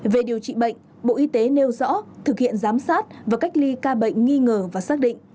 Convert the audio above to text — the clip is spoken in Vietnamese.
về điều trị bệnh bộ y tế nêu rõ thực hiện giám sát và cách ly ca bệnh nghi ngờ và xác định